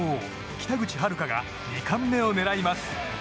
北口榛花が２冠目を狙います。